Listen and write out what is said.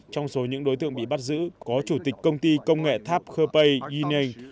trong số những đối tượng bị bắt giữ có chủ tịch công ty công nghệ tháp khơ pê yên anh